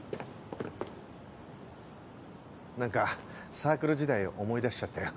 何かサークル時代を思い出しちゃったよ。